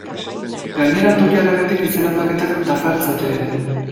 Gainera, toki aldaketek izen aldaketak dakartzate ere.